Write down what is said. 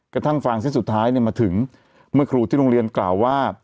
กระทั่งฟางเส้นสุดท้ายมาถึงเมื่อครูที่โรงเรียนกล่าวว่า